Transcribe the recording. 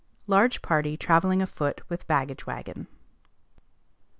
LARGE PARTY TRAVELLING AFOOT WITH BAGGAGE WAGON.